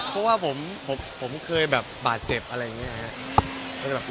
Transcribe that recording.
เพราะว่าผมเคยแบบบาดเจ็บอะไรอย่างนี้นะครับ